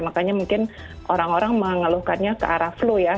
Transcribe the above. makanya mungkin orang orang mengeluhkannya ke arah flu ya